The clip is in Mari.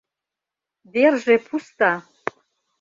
Верже пуста.